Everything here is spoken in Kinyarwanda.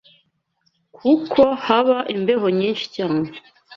kuko haba imbeho nyinshi cyane